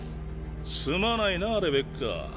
すまないなぁレベッカ。